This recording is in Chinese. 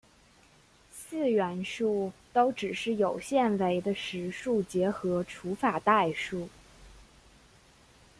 四元数都只是有限维的实数结合除法代数。